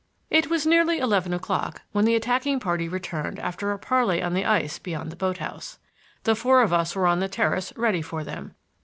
It was nearly eleven o'clock when the attacking party returned after a parley on the ice beyond the boat house. The four of us were on the terrace ready for them.